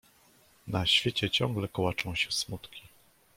"Na świecie ciągle kołaczą się smutki."